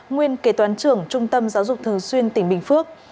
nguyên kế toán trưởng trung tâm giáo dục thường xuyên tỉnh bình phước